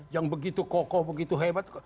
yang begitu kokoh begitu hebat